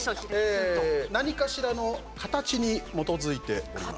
何かしらの形に基づいております。